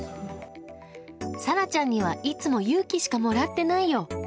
沙羅ちゃんにはいつも勇気しかもらってないよ。